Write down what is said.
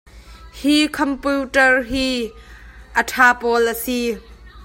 Hi computer hi a ṭha pawl a si.